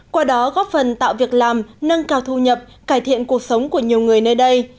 qua đó góp phần tạo việc làm nâng cao thu nhập cải thiện cuộc sống của nhiều người nơi đây